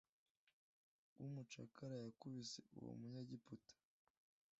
w umucakara yakubise uwo munyegiputa